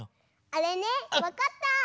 あれねわかった！